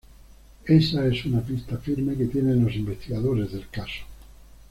Esa es una pista firme que tienen los investigadores del caso.